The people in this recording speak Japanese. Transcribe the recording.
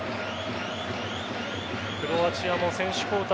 クロアチアも選手交代